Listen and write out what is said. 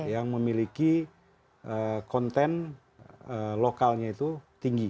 yang memiliki konten lokalnya itu tinggi